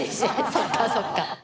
そっか、そっか。